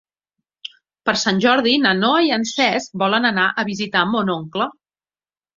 Per Sant Jordi na Noa i en Cesc volen anar a visitar mon oncle.